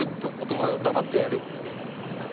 男は黙ってやる。